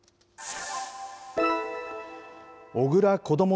小倉こども